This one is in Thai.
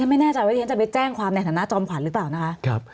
ไม่แน่ใจว่าฉันจะไปแจ้งความในฐานะจอมขวัญหรือเปล่านะคะ